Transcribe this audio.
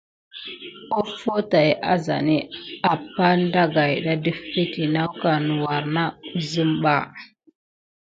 Offo tay azani apane daga ɗa naku ne wure na kusim ɓa.